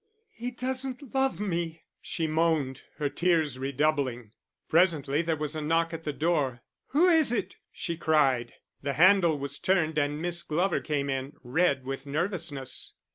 "He doesn't love me," she moaned, her tears redoubling. Presently there was a knock at the door. "Who is it?" she cried. The handle was turned and Miss Glover came in, red with nervousness.